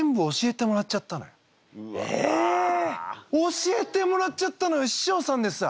教えてもらっちゃったのよししょうさんですわ。